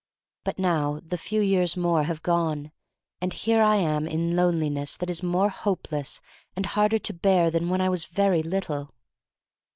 But now the few years more have gone and here I am in loneliness that is more hope less and harder to bear than when I was very little.